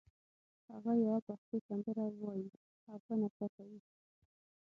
هغه یوه پښتو سندره وایي او ښه نڅا کوي